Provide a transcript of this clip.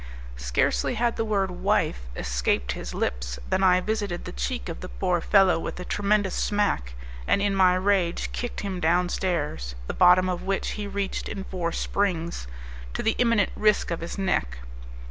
Scarcely had the word "wife" escaped his lips than I visited the cheek of the poor fellow with a tremendous smack, and in my rage kicked him downstairs, the bottom of which he reached in four springs, to the imminent risk of his neck.